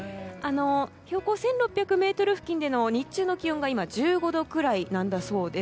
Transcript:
標高１６００ｍ付近での日中の気温が今、１５度くらいなんだそうです。